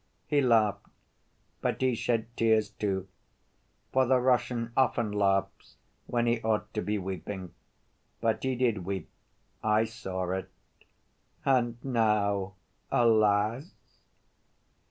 He laughed, but he shed tears, too ... for the Russian often laughs when he ought to be weeping. But he did weep; I saw it. And now, alas!..."